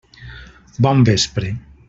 Bon vespre.